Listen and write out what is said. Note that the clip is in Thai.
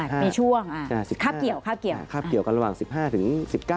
มีช่วงคราบเกี่ยวกันระหว่าง๑๕ถึง๑๙